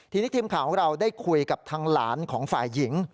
ทีนี้ทีมข่าวของเราได้คุยกับทางหลานของฝ่ายหญิง